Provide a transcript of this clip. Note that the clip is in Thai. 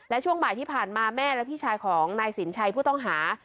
และช่วงบ่ายที่ผ่านมาแม่และพี่ชายของนายสินชัยผู้ต้องหา